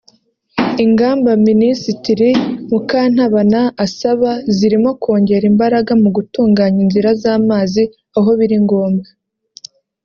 Ingamba Minisitiri Mukantabana asaba zirimo kongera imbaraga mu gutunganya inzira z’amazi aho biri ngombwa